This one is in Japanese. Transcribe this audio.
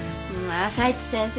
朝市先生